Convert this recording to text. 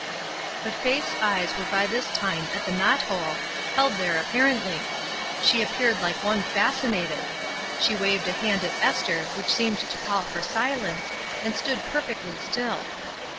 But Faith's eyes were by this time at the knot hole, held there, apparently; she appeared like 180 ESTER RIED'S NAMESAKE one fascinated. She waved a hand at Esther which seemed to call for silence, and stood per fectly still.